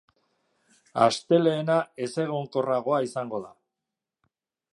Astelehena ezegonkorragoa izango da.